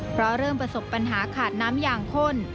เพราะเริ่มประสบปัญหาขาดน้ำอย่างข้น